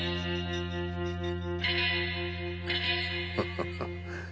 ハハハッ。